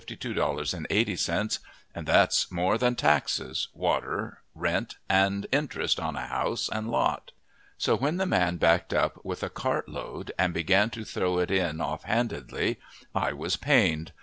80, and that's more than taxes, water rent and interest on a house and lot. So when the man backed up with a cartload and began to throw it in off handedly, I was pained.